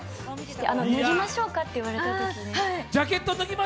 脱ぎましょうかって言われたときね。